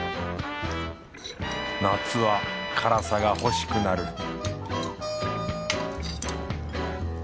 夏は辛さが欲しくなる